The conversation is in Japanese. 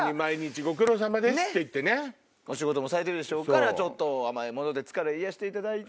お仕事もされてるでしょうから甘いもので疲れを癒やしていただいて。